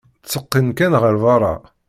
Ttseqqin kan ɣer berra.